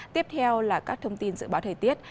tiếp theo là các thông tin dự báo thời tiết